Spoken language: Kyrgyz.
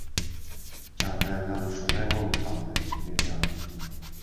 Жагдайлар ушундай болуп калды, — деди ал.